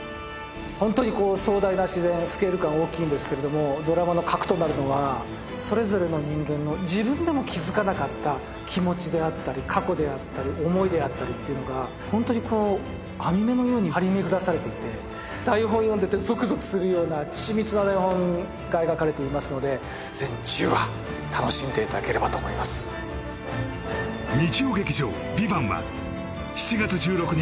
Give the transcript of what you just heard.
ホントに壮大な自然スケール感大きいんですけれどもドラマの核となるのがそれぞれの人間の自分でも気づかなかった気持ちであったり過去であったり思いであったりっていうのがホントにこう編み目のように張り巡らされていて台本読んでてゾクゾクするような緻密な台本が描かれていますので全１０話楽しんでいただければと思いますああ！